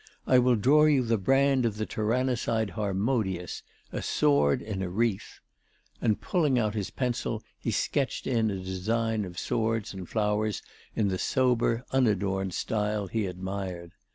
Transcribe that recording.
I will draw you the brand of the tyrannicide Harmodius, a sword in a wreath," and pulling out his pencil, he sketched in a design of swords and flowers in the sober, unadorned style he admired.